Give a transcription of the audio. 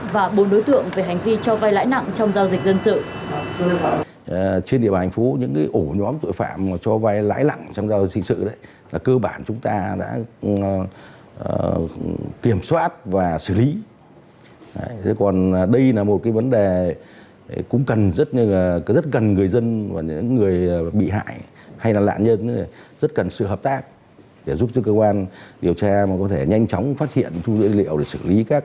và bốn đối tượng về hành vi cho vay lãi nặng trong giao dịch dân sự